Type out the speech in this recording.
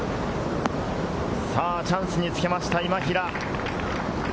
チャンスにつけました、今平。